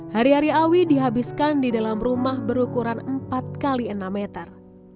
hari hari awi dihabiskan di dalam rumah berukuran empat x enam meter